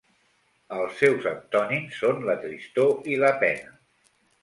Els seus antònims són la tristor i la pena.